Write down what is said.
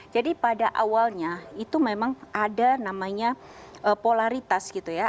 jadi pada awalnya itu memang ada namanya polaritas gitu ya